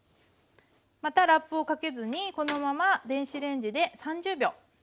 またラップをかけずにこのまま電子レンジで３０秒加熱します。